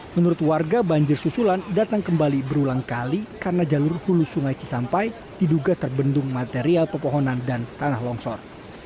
menurut warga banjir susulan datang kembali berulang kali karena jalur hulu sungai cisampai diduga terbendung material pepohonan dan tanah longsor